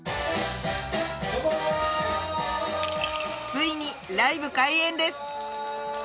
ついにライブ開演です